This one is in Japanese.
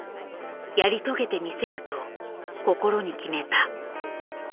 やり遂げてみせると心に決めた。